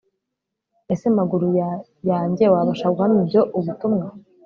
ese maguru yanjye wabasha guhamya ibyo ubutumwa